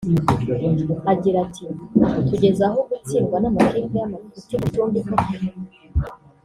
Agira ati “Tugeze aho gutsindwa n’amakipe y’amafuti nka Gicumbi koko